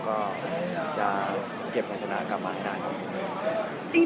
ก็จะเก็บภาษณากลับมาให้ด้านน้องดี